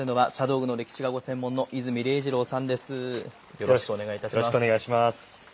よろしくお願いします。